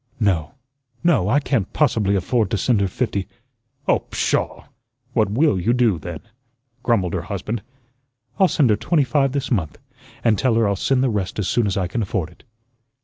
No, no, I can't possibly afford to send her fifty." "Oh, pshaw! What WILL you do, then?" grumbled her husband. "I'll send her twenty five this month, and tell her I'll send the rest as soon as I can afford it."